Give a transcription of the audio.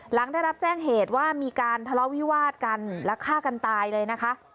หลังได้รับแจ้งเหตุว่ามีการทะเลาะวิวาดกันและฆ่ากันตายเลยนะคะ